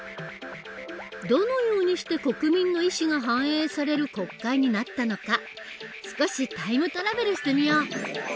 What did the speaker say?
どのようにして国民の意思が反映される国会になったのか少しタイムトラベルしてみよう！